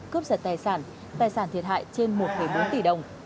cướp giật tài sản tài sản thiệt hại trên một bốn tỷ đồng